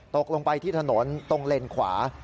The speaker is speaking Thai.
ตกลงไปที่ถนนตรงเลนขวา